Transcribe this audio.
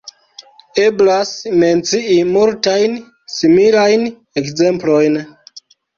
Eblas mencii multajn similajn ekzemplojn.